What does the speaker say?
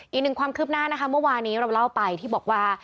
อีกหนึ่งความคืบหน้านะคะเมื่อวานี้เราเล่าไปที่บอกว่า